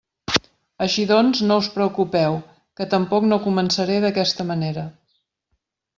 Així doncs, no us preocupeu, que tampoc no començaré d'aquesta manera.